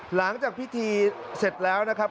หลังจากพิธีเสร็จแล้วนะครับ